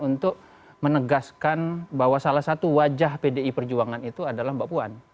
untuk menegaskan bahwa salah satu wajah pdi perjuangan itu adalah mbak puan